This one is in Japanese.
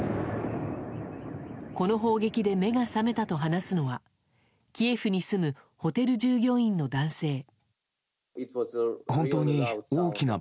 この砲撃で目が覚めたと話すのはキエフに住むホテル従業員の男性。